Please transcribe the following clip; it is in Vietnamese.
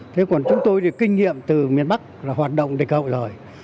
thế còn chúng tôi thì kinh nghiệm từ miền bắc là hoạt động địch hậu rồi